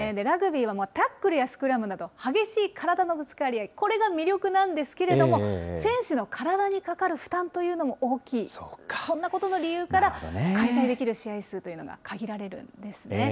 ラグビーはタックルやスクラムなど、激しい体のぶつかり合い、これが魅力なんですけれども、選手の体にかかる負担というのも大きい、そんなことの理由から、開催できる試合数というのが限られるんですね。